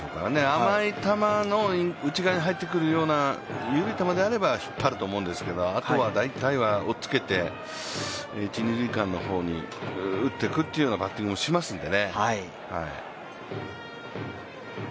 甘い球の内側に入ってくるような緩い球であれば引っ張ると思うんですけどあとは大体は追っつけて、一・二塁間の方に打っていくバッティングをしますので、。